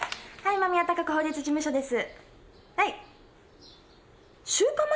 間宮貴子法律事務所です。